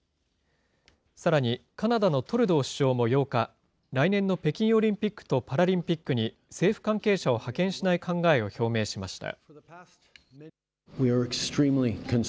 さらに、カナダのトルドー首相も８日、来年の北京オリンピックとパラリンピックに、政府関係者を派遣しない考えを表明しました。